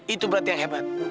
itu berarti yang hebat